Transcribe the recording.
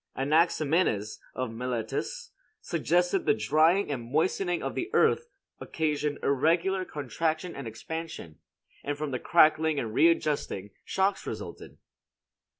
Anaximenes, of Miletus, suggested the drying and moistening of the earth occasioned irregular contraction and expansion, and from the cracking and readjusting shocks resulted.